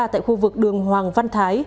tại khu vực đường hoàng văn thái